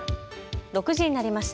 ６時になりました。